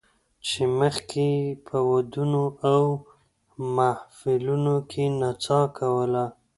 چې مخکې یې په ودونو او محفلونو کې نڅا کوله